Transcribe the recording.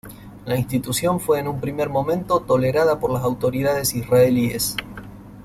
La institución fue en un primer tiempo tolerada por las autoridades israelíes.